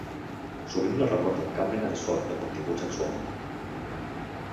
Sovint no recorden cap mena de son de contingut sexual.